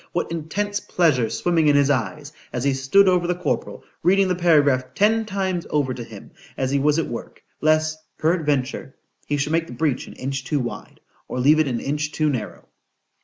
What intense pleasure swimming in his eye as he stood over the corporal, reading the paragraph ten times over to him, as he was at work, lest, peradventure, he should make the breach an inch too wide,—or leave it an inch too narrow.